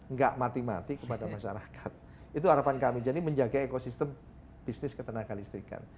nggak mati mati kepada masyarakat itu harapan kami jadi menjaga ekosistem bisnis ketenaga listrikan